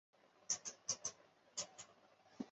毛脉蒲桃为桃金娘科蒲桃属的植物。